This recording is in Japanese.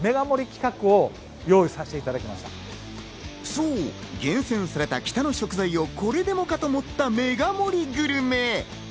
そう、厳選された北の食材をこれでもかと盛った、メガ盛りグルメ。